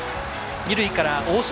二塁から大島